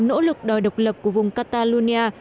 nỗ lực đòi độc lập của vùng catalonia